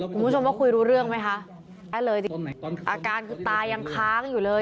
คุณผู้ชมว่าคุยรู้เรื่องมั้ยคะทั้งเลยทีอาการคือตายังค้างอยู่อยู่เลย